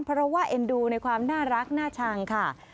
เพราะว่าเอ็นดูในความน่ารักน่าชังค่ะ